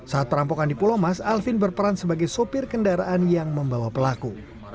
saat perampokan di pulau mas alvin berperan sebagai sopir kendaraan yang membawa pelaku